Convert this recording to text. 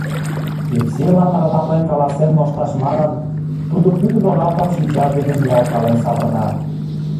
Евсейлан радамлен каласен мошташ манын, тудо пӱтынь оралтым шинчаж дене ниялткален савырна.